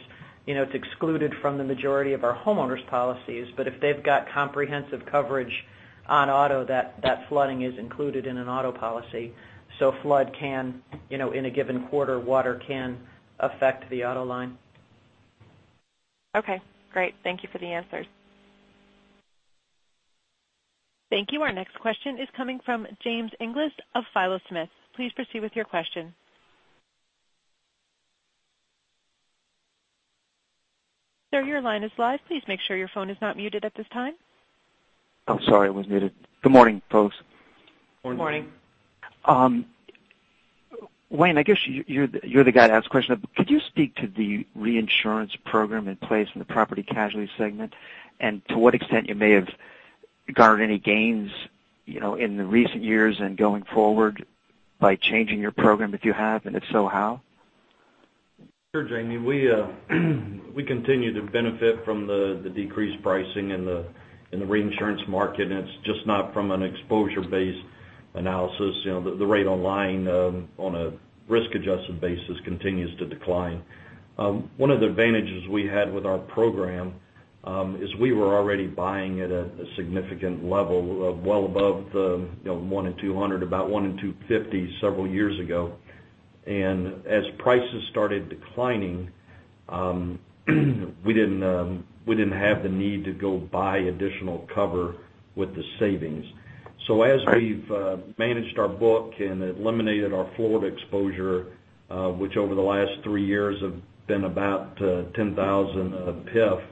it's excluded from the majority of our homeowners' policies. If they've got comprehensive coverage on auto, that flooding is included in an auto policy. Flood can, in a given quarter, water can affect the auto line. Okay, great. Thank you for the answers. Thank you. Our next question is coming from James Inglis of Philo Smith. Please proceed with your question. Sir, your line is live. Please make sure your phone is not muted at this time. Oh, sorry, it was muted. Good morning, folks. Morning. Morning. Dwayne, I guess you're the guy to ask the question. Could you speak to the reinsurance program in place in the property casualty segment? To what extent you may have garnered any gains in the recent years and going forward by changing your program, if you have, and if so, how? Sure, Jamie. We continue to benefit from the decreased pricing in the reinsurance market, it's just not from an exposure-based analysis. The rate on a risk-adjusted basis continues to decline. One of the advantages we had with our program, is we were already buying at a significant level of well above the 1 in 200, about 1 in 250 several years ago. As prices started declining, we didn't have the need to go buy additional cover with the savings. As we've managed our book and eliminated our Florida exposure, which over the last three years have been about 10,000 PIF,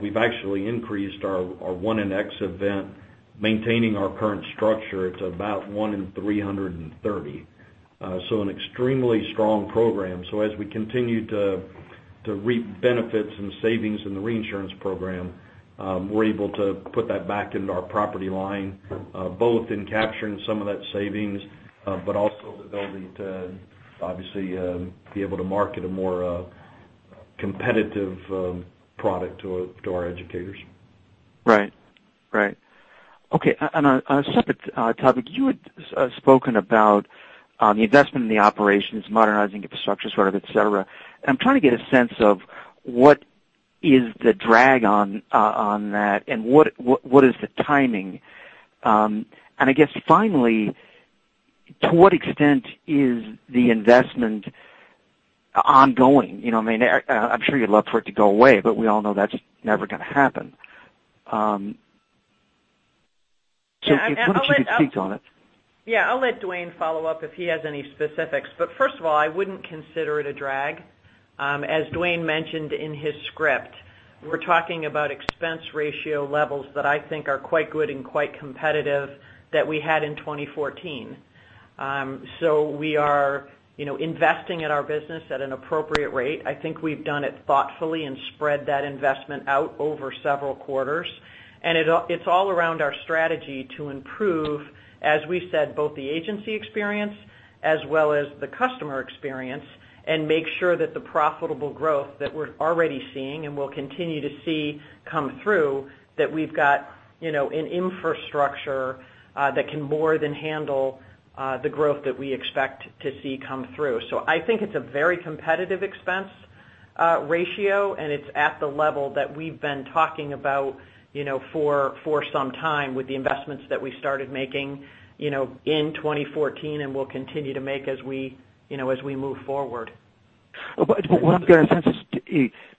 we've actually increased our one in X event, maintaining our current structure. It's about 1 in 330. An extremely strong program. As we continue to reap benefits and savings in the reinsurance program, we're able to put that back into our property line, both in capturing some of that savings, but also the ability to obviously be able to market a more competitive product to our educators. Right. Okay. On a separate topic, you had spoken about the investment in the operations, modernizing infrastructure, et cetera. I'm trying to get a sense of what is the drag on that, and what is the timing. I guess finally, to what extent is the investment ongoing? I'm sure you'd love for it to go away, but we all know that's never going to happen. If you could just speak on it. Yeah, I'll let Dwayne follow up if he has any specifics. First of all, I wouldn't consider it a drag. As Dwayne mentioned in his script. We're talking about expense ratio levels that I think are quite good and quite competitive that we had in 2014. We are investing in our business at an appropriate rate. I think we've done it thoughtfully and spread that investment out over several quarters. It's all around our strategy to improve, as we said, both the agency experience as well as the customer experience, and make sure that the profitable growth that we're already seeing and will continue to see come through, that we've got an infrastructure that can more than handle the growth that we expect to see come through. I think it's a very competitive expense ratio, and it's at the level that we've been talking about for some time with the investments that we started making in 2014 and will continue to make as we move forward. What I'm getting a sense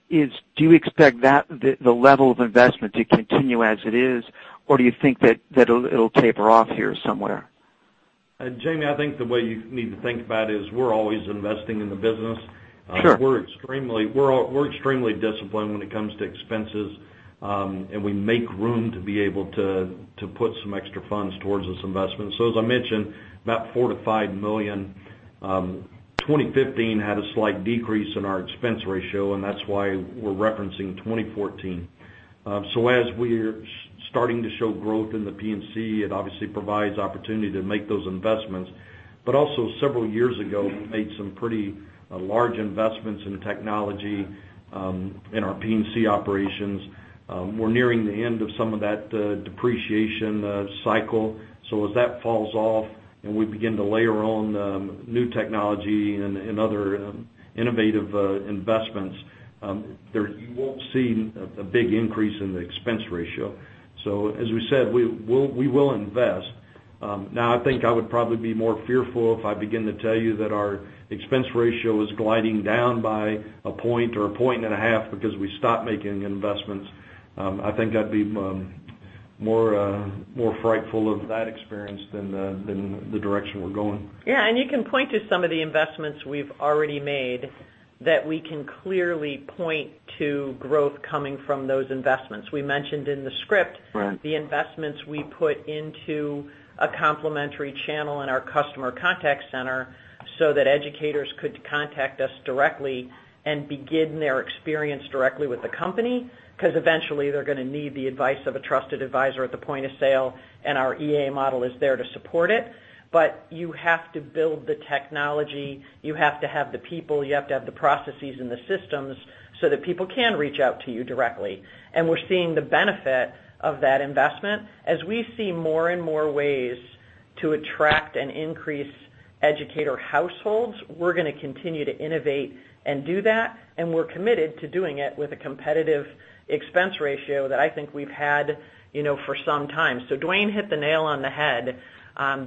is, do you expect the level of investment to continue as it is, or do you think that it'll taper off here somewhere? Jamie, I think the way you need to think about it is we're always investing in the business. Sure. We're extremely disciplined when it comes to expenses, and we make room to be able to put some extra funds towards this investment. As I mentioned, about $4 million-$5 million, 2015 had a slight decrease in our expense ratio, and that's why we're referencing 2014. As we're starting to show growth in the P&C, it obviously provides opportunity to make those investments. Also several years ago, we made some pretty large investments in technology in our P&C operations. We're nearing the end of some of that depreciation cycle. As that falls off and we begin to layer on new technology and other innovative investments, you won't see a big increase in the expense ratio. As we said, we will invest. I think I would probably be more fearful if I begin to tell you that our expense ratio is gliding down by a point or a point and a half because we stopped making investments. I think I'd be more frightful of that experience than the direction we're going. Yeah, you can point to some of the investments we've already made that we can clearly point to growth coming from those investments. We mentioned in the script. Right The investments we put into a complementary channel in our customer contact center so that educators could contact us directly and begin their experience directly with the company, because eventually they're going to need the advice of a trusted advisor at the point of sale, and our EA model is there to support it. You have to build the technology. You have to have the people, you have to have the processes and the systems so that people can reach out to you directly. We're seeing the benefit of that investment. As we see more and more ways to attract and increase educator households, we're going to continue to innovate and do that, and we're committed to doing it with a competitive expense ratio that I think we've had for some time. Dwayne hit the nail on the head.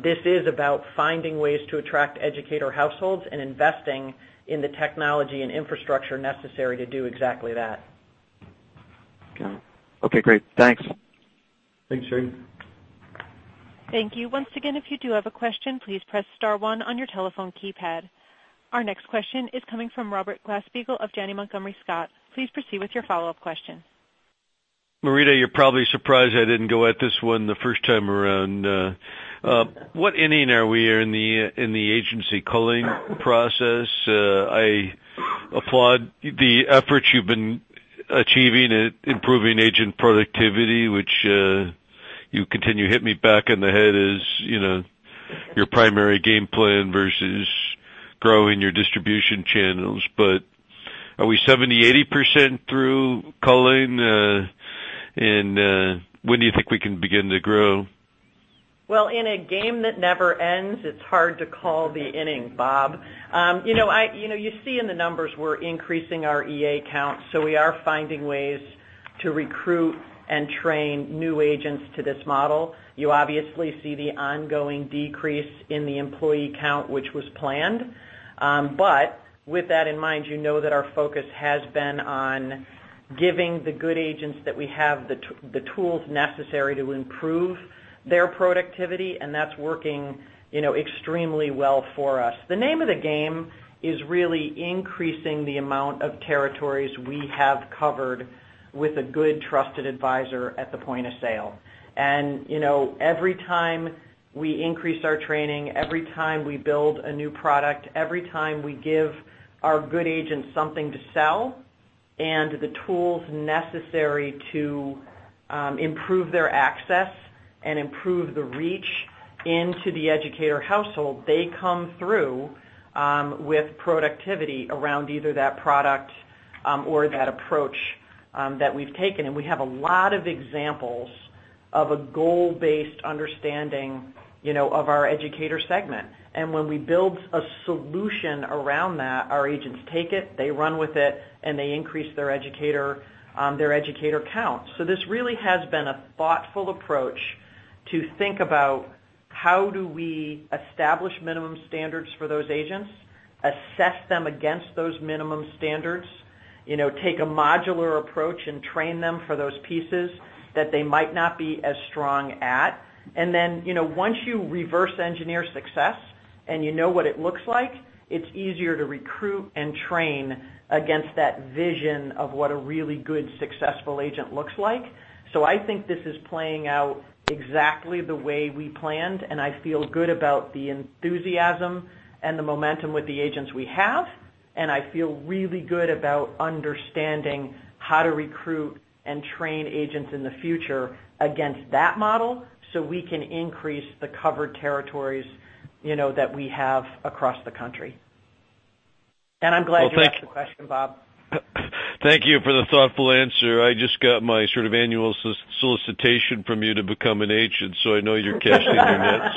This is about finding ways to attract educator households and investing in the technology and infrastructure necessary to do exactly that. Okay. Okay, great. Thanks. Thanks, Jamie. Thank you. Once again, if you do have a question, please press *1 on your telephone keypad. Our next question is coming from Robert Glasspiegel of Janney Montgomery Scott. Please proceed with your follow-up question. Marita, you're probably surprised I didn't go at this one the first time around. What inning are we in the agency culling process? I applaud the efforts you've been achieving at improving agent productivity, which you continue to hit me back in the head as your primary game plan versus growing your distribution channels. Are we 70%, 80% through culling? When do you think we can begin to grow? Well, in a game that never ends, it's hard to call the inning, Bob. You see in the numbers we're increasing our EA count. We are finding ways to recruit and train new agents to this model. You obviously see the ongoing decrease in the employee count, which was planned. With that in mind, you know that our focus has been on giving the good agents that we have the tools necessary to improve their productivity, and that's working extremely well for us. The name of the game is really increasing the amount of territories we have covered with a good trusted advisor at the point of sale. Every time we increase our training, every time we build a new product, every time we give our good agents something to sell and the tools necessary to improve their access and improve the reach into the educator household, they come through with productivity around either that product or that approach that we've taken. We have a lot of examples of a goal-based understanding of our educator segment. When we build a solution around that, our agents take it, they run with it, and they increase their educator count. This really has been a thoughtful approach to think about how do we establish minimum standards for those agents, assess them against those minimum standards, take a modular approach, and train them for those pieces that they might not be as strong at. Then, once you reverse engineer success You know what it looks like, it's easier to recruit and train against that vision of what a really good, successful agent looks like. I think this is playing out exactly the way we planned, and I feel good about the enthusiasm and the momentum with the agents we have, and I feel really good about understanding how to recruit and train agents in the future against that model so we can increase the covered territories that we have across the country. I'm glad you asked the question, Bob. Thank you for the thoughtful answer. I just got my sort of annual solicitation from you to become an agent, so I know you're casting your nets.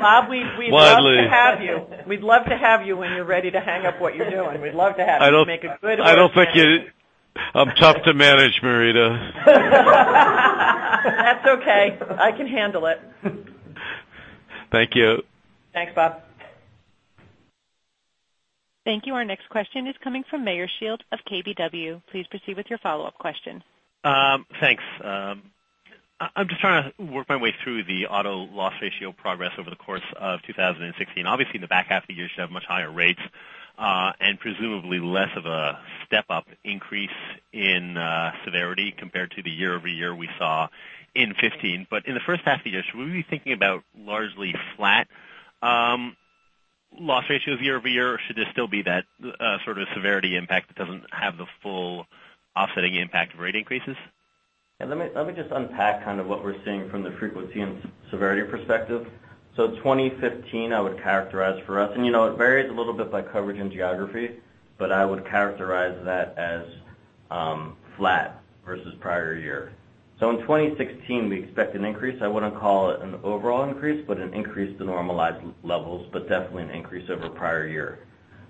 Bob, we'd love to have you. We'd love to have you when you're ready to hang up what you're doing. We'd love to have you. You'd make a good Horace Mann- I'm tough to manage, Marita. That's okay. I can handle it. Thank you. Thanks, Bob. Thank you. Our next question is coming from Meyer Shields of KBW. Please proceed with your follow-up question. Thanks. I'm just trying to work my way through the auto loss ratio progress over the course of 2016. Obviously, in the back half of the year, you should have much higher rates, and presumably less of a step-up increase in severity compared to the year-over-year we saw in 2015. In the first half of the year, should we be thinking about largely flat loss ratio year-over-year, or should there still be that sort of severity impact that doesn't have the full offsetting impact of rate increases? Yeah, let me just unpack kind of what we're seeing from the frequency and severity perspective. 2015 I would characterize for us, and it varies a little bit by coverage and geography, but I would characterize that as flat versus prior year. In 2016, we expect an increase. I wouldn't call it an overall increase, but an increase to normalized levels, but definitely an increase over prior year.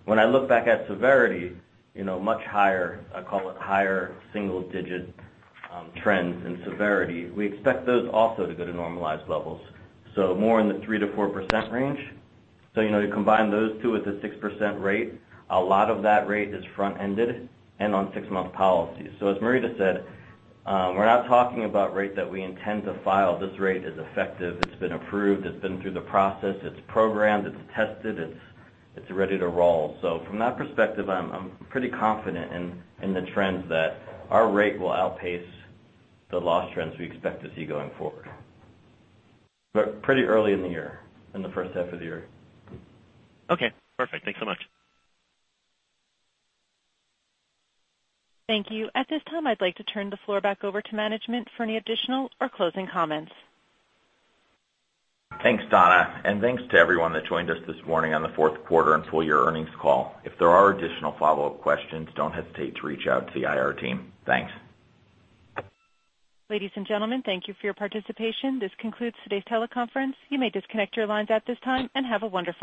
When I look back at severity, much higher, I call it higher single-digit trends in severity. We expect those also to go to normalized levels, more in the 3%-4% range. You combine those two with a 6% rate, a lot of that rate is front-ended and on six-month policies. As Marita said, we're not talking about rate that we intend to file. This rate is effective. It's been approved. It's been through the process. It's programmed, it's tested, it's ready to roll. From that perspective, I'm pretty confident in the trends that our rate will outpace the loss trends we expect to see going forward. Pretty early in the year, in the first half of the year. Okay, perfect. Thanks so much. Thank you. At this time, I'd like to turn the floor back over to management for any additional or closing comments. Thanks, Donna. Thanks to everyone that joined us this morning on the fourth quarter and full year earnings call. If there are additional follow-up questions, don't hesitate to reach out to the IR team. Thanks. Ladies and gentlemen, thank you for your participation. This concludes today's teleconference. You may disconnect your lines at this time, and have a wonderful day.